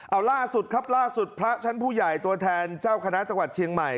เอาล่าสุดครับล่าสุดพระชั้นผู้ใหญ่ตัวแทนเจ้าคณะจังหวัดเชียงใหม่